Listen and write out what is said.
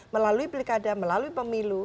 melalui pilkada melalui pemilu